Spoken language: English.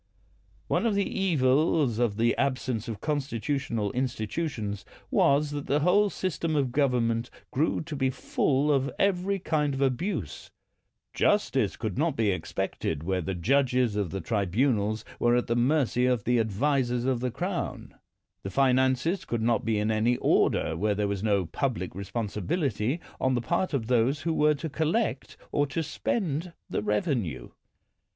One of the evils of the absence of constitutional institutions was that the whole system of gov ernment grew to be full of every kind of abuse. Justice could not be expected where the judges of the tribunals were at the mercy of the ad visers of the Crown. The finances could not be in any order where there was no public responsi bility on the part of those who were to collect or to spend the revenue.